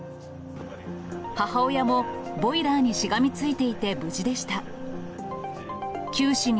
母親もボイラーにしがみついていて無事でした。